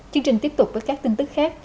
chương trình tiếp tục với các tin tức khác